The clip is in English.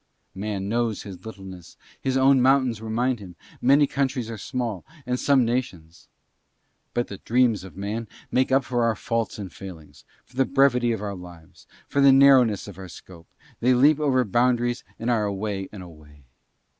Man knows his littleness, his own mountains remind him; many countries are small, and some nations: but the dreams of Man make up for our faults and failings, for the brevity of our lives, for the narrowness of our scope; they leap over boundaries and are away and away.